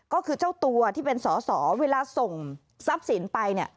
ก็คือเจ้าตัวที่เป็นสอสอเวลาส่งทรัพย์สินไปเนี่ย